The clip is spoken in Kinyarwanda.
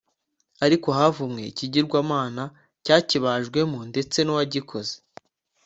ariko havumwe ikigirwamana cyakibajwemo ndetse n’uwagikoze;